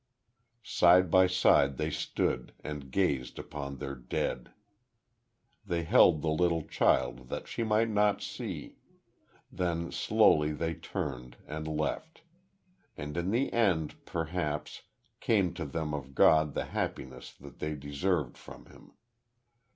Side by side they stood, and gazed upon their dead. They held the little child that she might not see.... Then slowly they turned, and left.... And in the end, perhaps, came to them of God the happiness that they deserved from Him.